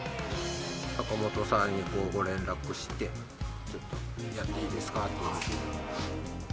坂本さんにご連絡して、やっていいですかって。